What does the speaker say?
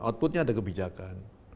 outputnya ada kebijakan